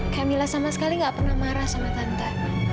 kak mila sama sekali gak pernah marah sama tante